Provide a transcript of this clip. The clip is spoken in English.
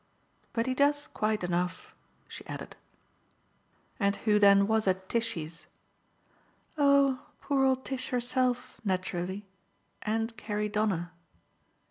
But he does quite enough," she added. "And who then was at Tishy's?" "Oh poor old Tish herself, naturally, and Carrie Donner."